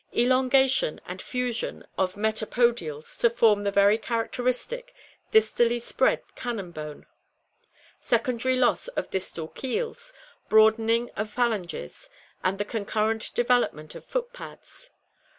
Elongation and fusion of meta podials to form the very characteristic, distally spread cannon bone. Secondary loss of distal keels, broadening of phalanges, and the concurrent development of foot pads.